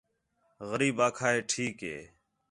غریب آکھا ہِے ٹھیک ہِے